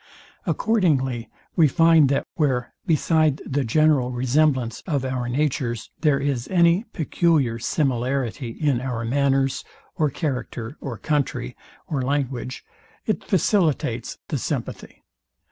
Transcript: Accordingly we find, that where, beside the general resemblance of our natures, there is any peculiar similarity in our manners, or character, or country, or language, it facilitates the sympathy.